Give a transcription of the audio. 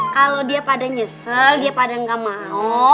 kalau dia pada nyesel dia pada nggak mau